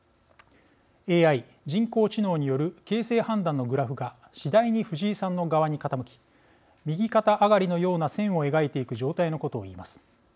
ＡＩ、人工知能による形勢判断のグラフが次第に藤井さんの側に傾き右肩上がりのような線を描いていく状態のことを言います。